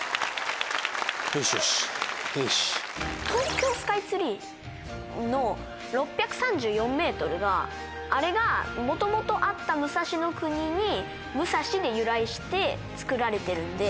東京スカイツリーの６３４ｍがあれが元々あった武蔵国に「むさし」で由来して造られてるんで。